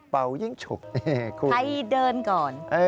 ใครเดินก่อน